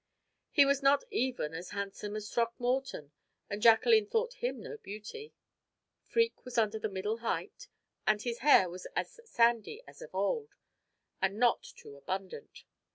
He was not even as handsome as Throckmorton, and Jacqueline thought him no beauty. Freke was under middle height, and his hair was as sandy as of old, and not too abundant.